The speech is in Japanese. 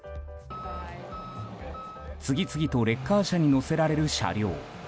次々とレッカー車に載せられる車両。